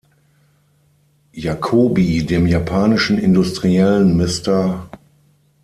Jacoby dem japanischen Industriellen Mr.